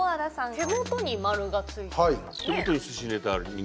手元に丸がついてますね。